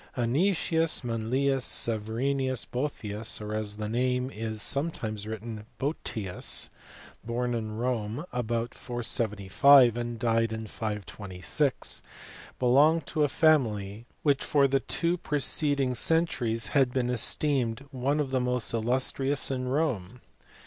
Anicius Manlius Severinus Boethius , or as the name is sometimes written Boetius, born at Rome about 475 and died in 526, belonged to a family which for the two preceding centuries had been esteemed one of the most illus trious in Rome.